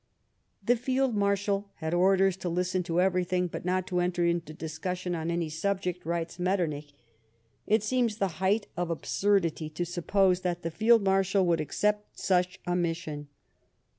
" The Field Marshal had orders to listen to everything, but not to enter into discussion on any subject," writes Metternich. It seems the height of absurdity to suppose that the Field Marshal would accept such a mission.